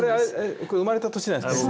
これ生まれた年なんですか？